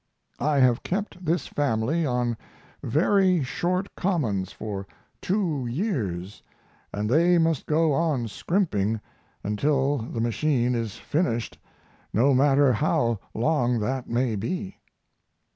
I have kept this family on very short commons for two years and they must go on scrimping until the machine is finished, no matter how long that may be.